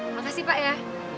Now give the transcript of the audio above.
makasih pak ya